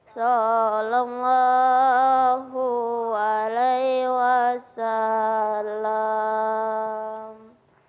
salam allah alaihi wasalam